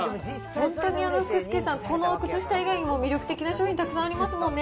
本当に福助さん、この靴下以外にも魅力的な商品、たくさんありますもんね。